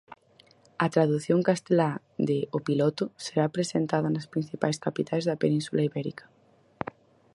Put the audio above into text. A tradución castelá de "O Piloto" será presentada nas principais capitais da península Ibérica.